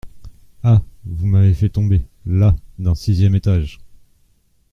Ah ! vous m’avez fait tomber, là, d’un sixième étage…